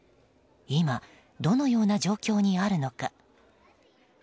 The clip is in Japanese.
今、どのような状況にあるのか。